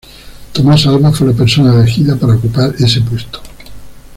Tomás Alba fue la persona elegida para ocupar ese puesto.